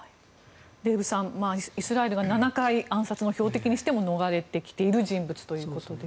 デーブさん、イスラエルが７回暗殺の標的にしても逃れてきている人物ということです。